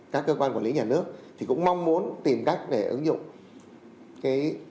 các cơ quan quản lý nhà nước thì cũng mong muốn tìm cách để ứng dụng